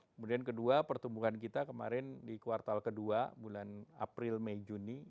kemudian kedua pertumbuhan kita kemarin di kuartal kedua bulan april mei juni